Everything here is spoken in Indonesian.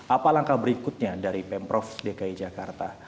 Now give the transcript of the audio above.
apa langkah berikutnya dari pemprov dki jakarta